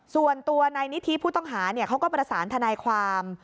ส่วนตัวนายนิธิผู้ต้องหาเขาก็ประสานทนายความ